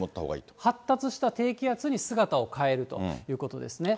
発達した低気圧に姿を変えるということですね。